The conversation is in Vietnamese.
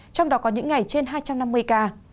trong đó có những ngày trên hai trăm năm mươi ca